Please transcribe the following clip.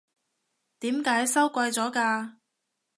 點解收貴咗㗎？